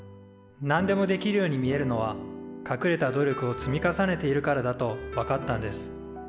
何でもできるように見えるのはかくれた努力を積み重ねているからだと分かったんです。